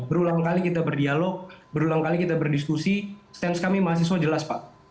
berulang kali kita berdialog berulang kali kita berdiskusi stance kami mahasiswa jelas pak